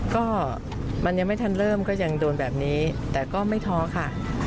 ก็มันยังไม่ทันเริ่มก็ยังโดนแบบนี้แต่ก็ไม่ท้อค่ะ